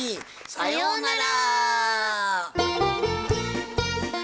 さようなら！